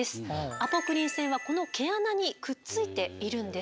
アポクリン腺はこの毛穴にくっついているんです。